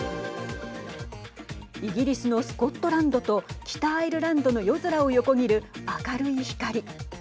イギリスのスコットランドと北アイルランドの夜空を横切る明るい光。